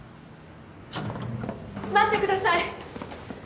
・待ってください！